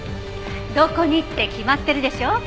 「どこに？」って決まってるでしょ。